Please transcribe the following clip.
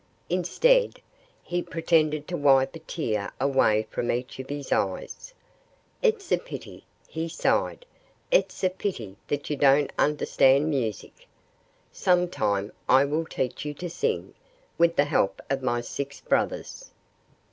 Instead, he pretended to wipe a tear away from each of his eyes. "It's a pity" he sighed "it's a pity that you don't understand music. Some time I will teach you to sing with the help of my six brothers."